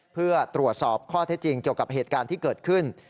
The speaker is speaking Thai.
เพื่อตรวจสอบข้อเท็จจริงเกี่ยวกับเหตุการณ์ที่เกิดขึ้น